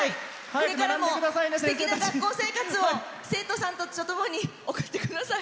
これからもすてきな学校生活を生徒さんたちとともに送ってください。